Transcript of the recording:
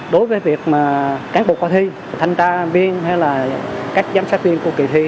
đối với việc mà cán bộ coi thi thanh tra viên hay là cách giám sát viên của kỳ thi